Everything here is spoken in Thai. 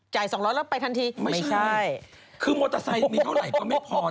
ช่วงประมาณตั้งแต่๘โมงจนถึง๙โมง